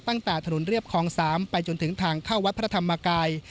ตั้งแต่ถนนเรียบคลอง๓ไปจนถึงทางเข้าวัดพระธรรมกาย